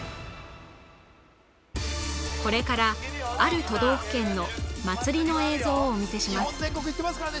これからある都道府県の祭りの映像をお見せします